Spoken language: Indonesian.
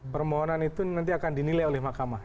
permohonan itu nanti akan dinilai oleh mahkamah